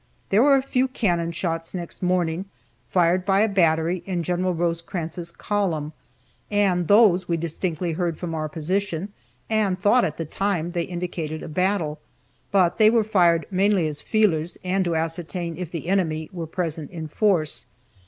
There were a few cannon shots next morning, fired by a battery in Gen. Rosecrans' column, and those we distinctly heard from our position, and thought at the time they indicated a battle, but they were fired mainly as "feelers," and to ascertain if the enemy were present in force.